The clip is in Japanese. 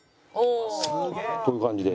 こういう感じで。